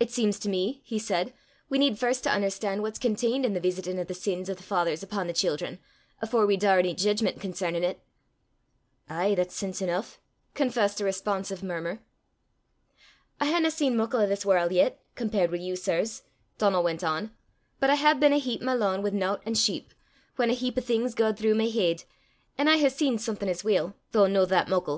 "It seems to me," he said, "we need first to un'erstan' what's conteened i' the veesitin' o' the sins o' the fathers upo' the children, afore we daur ony jeedgment concernin' 't." "Ay, that's sense eneuch!" confessed a responsive murmur. "I haena seen muckle o' this warl' yet, compared wi' you, sirs," Donal went on, "but I hae been a heap my lane wi' nowt an' sheep, whan a heap o' things gaed throuw my heid; an' I hae seen something as weel, though no that muckle.